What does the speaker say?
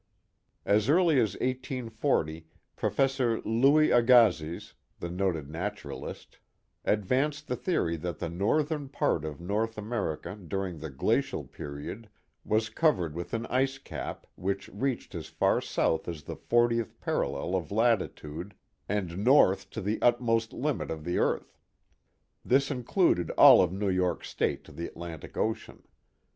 As early as 1840 Prof. Louis Agassiz, the noted naturalist, advanced the theory that the northern part of North America during the glacial period, was covered with an ice cap which reached as far south as the fortieth parallel of latitude, and north to the utmost limit of the earth. This included all of New York State to the Atlantic Ocean.